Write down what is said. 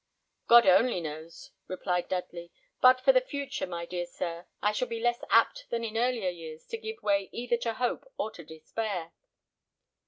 "God only knows!" replied Dudley; "but for the future, my dear sir, I shall be less apt than in earlier years to give way either to hope or to despair."